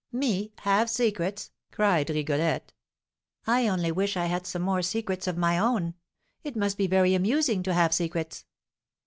"Me have secrets?" cried Rigolette. "I only wish I had some more secrets of my own; it must be very amusing to have secrets."